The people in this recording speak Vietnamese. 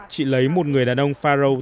chị lấy một người đàn ông faroe